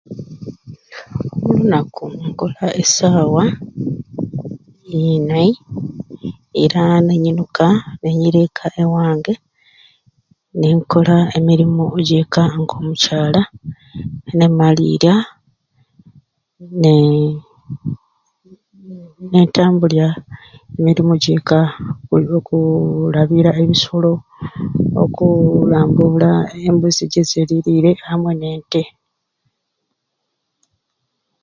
Omulunaku nkola esaawa inai era nenyinuka ninyira eka awange ninkola emirimu egy'eka k'omukyala nemaliirya ne nentambulya emirimu gy'eka omuli okulabiira ebisolo okuulambula embuzi gyeziririire amwe n'ete.